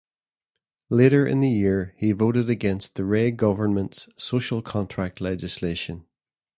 Later in the year, he voted against the Rae government's "Social Contract" legislation.